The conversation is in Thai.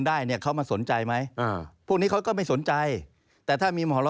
ได้เนี่ยเขามาสนใจไหมอ่าพวกนี้เขาก็ไม่สนใจแต่ถ้ามีหมอ้อ